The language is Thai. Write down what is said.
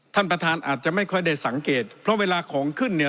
ท่านประธานอาจจะไม่ค่อยได้สังเกตเพราะเวลาของขึ้นเนี่ย